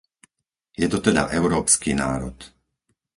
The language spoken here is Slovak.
Je to teda európsky národ.